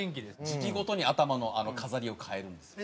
時季ごとに頭の飾りを変えるんですよ。